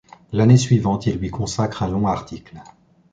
L'année suivante, il lui consacre un long article.